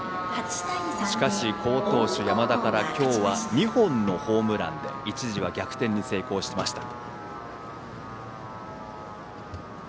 しかし、好投手・山田から今日は２本のホームランで一時は逆転に成功しました。